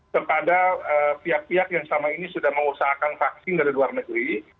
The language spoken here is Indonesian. kepada pihak pihak yang selama ini sudah mengusahakan vaksin dari luar negeri